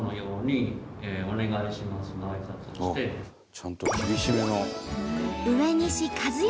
ちゃんと厳しめの。